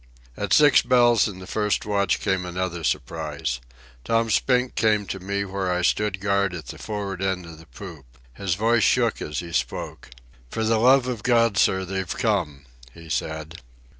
At six bells in the first watch came another surprise. Tom Spink came to me where I stood guard at the for'ard end of the poop. His voice shook as he spoke. "For the love of God, sir, they've come," he said.